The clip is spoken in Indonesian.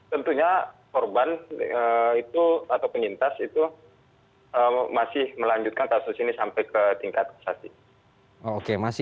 tentunya korban itu atau penyintas itu masih melanjutkan kasus ini sampai ke tingkat kasasi